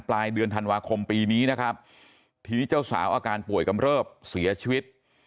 ปลายเดือนธันวาคมปีนี้นะครับทีนี้เจ้าสาวอาการป่วยกำเริบเสียชีวิต